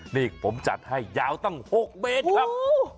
นี่ผมจัดให้ยาวตั้ง๖เมตรครับ